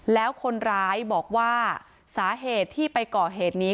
แล้วคนร้ายบอกว่าสาเหตุที่ไปก่อเหตุนี้